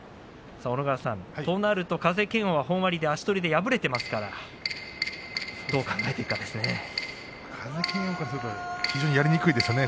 となると風賢央は本割で足取りで敗れていますからどう考えていくかですね。